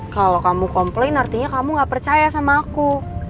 kalau kamu komplain artinya kamu gak percaya sama aku